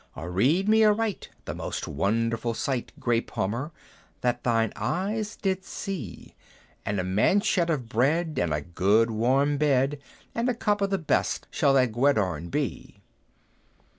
"Arede me aright the most wonderful sight, Gray Palmer, that ever thine eyes did see, And a manchette of bread, and a good warm bed, And a cup o' the best shall thy guerdon be!"